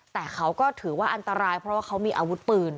แต่เขาก็ถือว่าอันตรายเพราะว่าเขามีอาวุธปืน